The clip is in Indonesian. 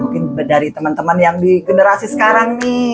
mungkin dari teman teman yang di generasi sekarang nih